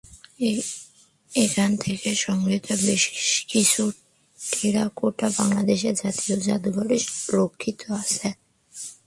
এখান থেকে সংগৃহীত বেশকিছু টেরাকোটা বাংলাদেশ জাতীয় জাদুঘরে রক্ষিত আছে।